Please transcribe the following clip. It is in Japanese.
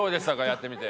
やってみて。